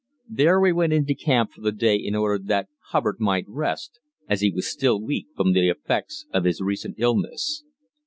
There we went into camp for the day in order that Hubbard might rest, as he was still weak from the effects of his recent illness.